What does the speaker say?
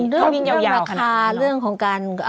เรื่องราคาเรื่องของการ